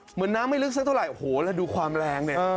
เหมือนน้ำไม่ลึกสักเท่าไหร่โอ้โหแล้วดูความแรงเนี่ย